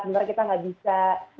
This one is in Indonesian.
sebenarnya kita nggak bisa